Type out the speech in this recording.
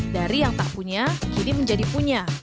dari yang tak punya kini menjadi punya